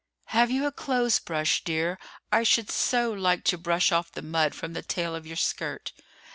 "Have you a clothes brush, dear: I should so like to brush off the mud from the tail of your skirt."